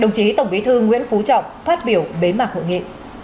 đồng chí tổng bí thư nguyễn phú trọng phát biểu bế mạc hội nghị